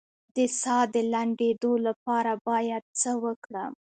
د ساه د لنډیدو لپاره باید څه وکړم؟